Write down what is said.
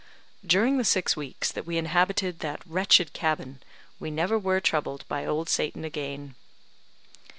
During the six weeks that we inhabited that wretched cabin, we never were troubled by Old Satan again.